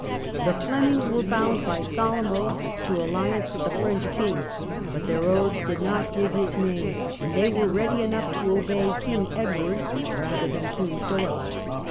The Flemings were bound by solemn oaths to alliance with the French King, but their oaths did not give his name, and they were ready enough to obey King Edward rather than King Philip.